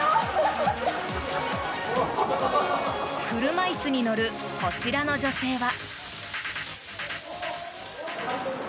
車椅子に乗るこちらの女性は。